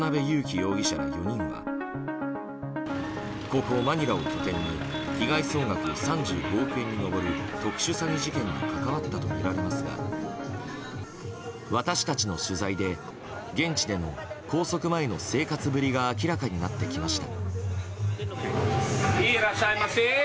容疑者ら４人はここマニラを拠点に被害総額３５億円に上る特殊詐欺事件に関わったとみられますが私たちの取材で現地での拘束前の生活ぶりが明らかになってきました。